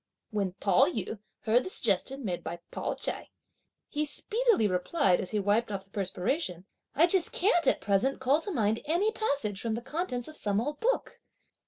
When Pao yü heard the suggestion made by Pao ch'ai, he speedily replied, as he wiped off the perspiration: "I can't at all just at present call to mind any passage from the contents of some old book."